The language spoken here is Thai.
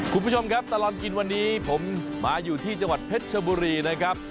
คุณผู้ชมครับตลอดกินวันนี้ผมมาอยู่ที่จังหวัดเพชรชบุรีนะครับ